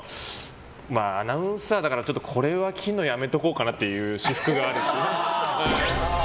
アナウンサーだからこれは着るのやめておこうかなみたいな私服があるっぽい。